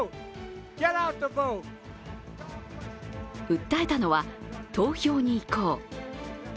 訴えたのは「投票に行こう」。